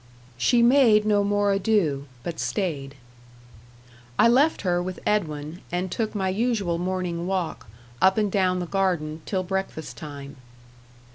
She made no more ado, but stayed. I left her with Edwin, and took my usual morning walk, up and down the garden, till breakfast time.